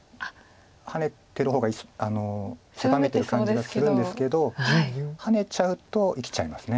ハネてる方が狭めてる感じはするんですけどハネちゃうと生きちゃいます。